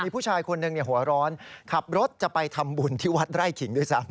ผู้ชายคนหนึ่งหัวร้อนขับรถจะไปทำบุญที่วัดไร่ขิงด้วยซ้ำ